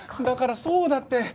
だからそうだって！